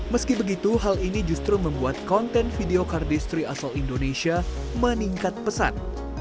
meski begitu hal ini justru membuat konten video cardistry asal indonesia meningkat pesat